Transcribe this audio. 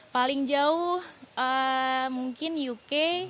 paling jauh mungkin uk